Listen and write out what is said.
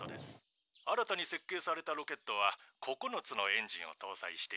新たに設計されたロケットは９つのエンジンを搭載していて」。